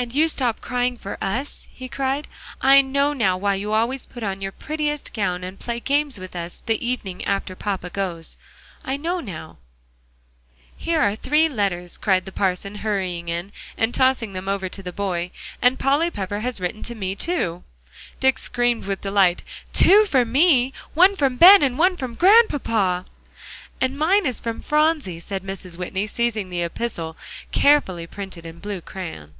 "And you stop crying for us," he cried; "I know now why you always put on your prettiest gown, and play games with us the evening after papa goes. I know now." "Here are three letters," cried the parson, hurrying in, and tossing them over to the boy. "And Polly Pepper has written to me, too." Dick screamed with delight. "Two for me; one from Ben, and one from Grandpapa!" "And mine is from Phronsie," said Mrs. Whitney, seizing an epistle carefully printed in blue crayon.